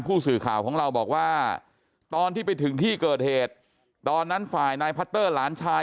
ผู้สื่อข่าวของเราบอกว่าตอนที่ไปถึงที่เกิดเหตุตอนนั้นฝ่ายนายพัตเตอร์หลานชาย